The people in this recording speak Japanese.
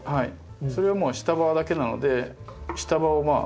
それはもう下葉だけなので下葉を。